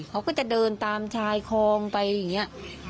เขาก็จะเดินตามชายคลองไปอย่างนี้